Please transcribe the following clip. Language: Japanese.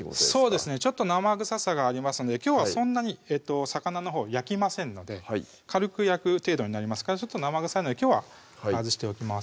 そうですねちょっと生臭さがありますのできょうはそんなに魚のほう焼きませんので軽く焼く程度になりますからちょっと生臭いのできょうは外しておきます